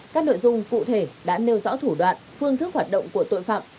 các nội dung cụ thể đã nêu rõ thủ đoạn phương thức hoạt động của tội phạm